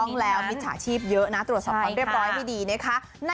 ต้องแล้วมิจฉาชีพเยอะนะตรวจสอบความเรียบร้อยให้ดีนะคะ